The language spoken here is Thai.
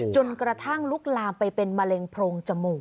จนกระทั่งลุกลามไปเป็นมะเร็งโพรงจมูก